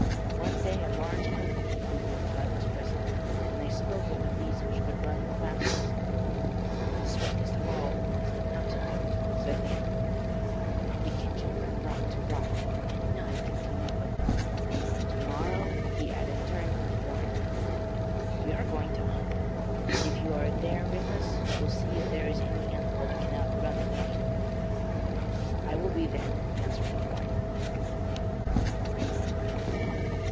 One day a large company of the Wolf tribe was present, and they spoke of the beasts which could run the fastest. 'The swiftest of all is the mountain goat,' said one; 'and it can jump from rock to rock, and none can come up with it. To morrow,' he added, turning to the boy, 'we are going to hunt them, and if you are there with us you will see if there is any animal that can outrun a mountain goat.' 'I will be there,' answered the boy.